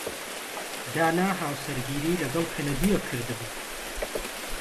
دانا هاوسەرگیریی لەگەڵ کەنەدییەک کردبوو.